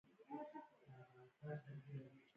آیا ولسمشر د حکومت چارې پرمخ نه وړي؟